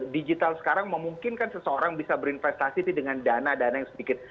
digital sekarang memungkinkan seseorang bisa berinvestasi dengan dana dana yang sedikit